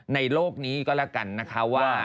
โลกนี้ก็แล้วกันนะคะว่า